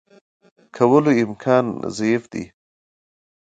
کولو امکان ضعیف دی.